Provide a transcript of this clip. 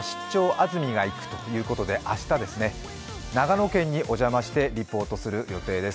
安住がいく」ということで明日ですね、長野県にお邪魔してリポートする予定です。